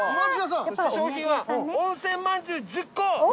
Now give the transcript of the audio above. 商品は温泉まんじゅう１０個！